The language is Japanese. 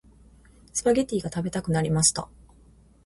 スパゲッティが食べたくなりました。